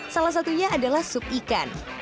salah satunya adalah sup ikan